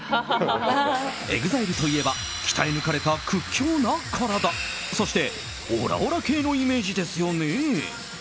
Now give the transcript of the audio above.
ＥＸＩＬＥといえば鍛え抜かれた屈強な体そして、オラオラ系のイメージですよね。